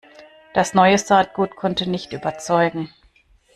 Das neue Saatgut konnte nicht überzeugen.